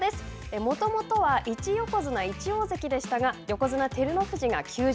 もともとは一横綱１大関でしたが横綱・照ノ富士が休場。